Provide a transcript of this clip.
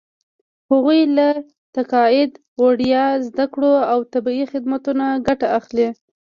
هغوی له تقاعد، وړیا زده کړو او طبي خدمتونو ګټه اخلي.